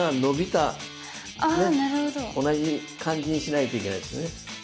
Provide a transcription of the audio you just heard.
同じ感じにしないといけないですね。